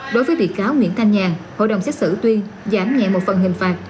đối với bị cáo nguyễn thanh nhàn hội đồng xét xử tuyên giảm nhẹ một phần hình phạt